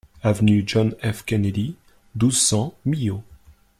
Avenue John F Kennedy, douze, cent Millau